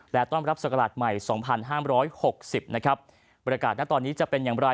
และต้อนรับศักราชใหม่สองพันห้ามร้อยหกสิบนะครับบรรยากาศณตอนนี้จะเป็นอย่างไร